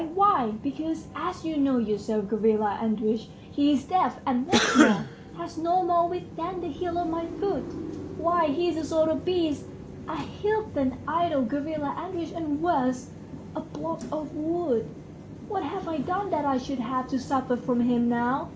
Why, because, as you know yourself, Gavrila Andreitch, he's deaf, and what's more, has no more wit than the heel of my foot. Why, he's a sort of beast, a heathen idol, Gavrila Andreitch, and worse ... a block of wood; what have I done that I should have to suffer from him now?